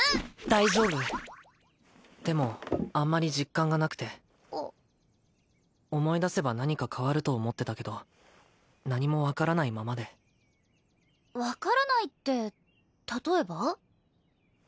大丈夫でもあんまり実感がなくてあ思い出せば何か変わると思ってたけど何も分からないままで分からないって例えば？